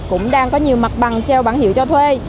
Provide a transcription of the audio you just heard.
cũng đang có nhiều mặt bằng treo bản hiệu cho thuê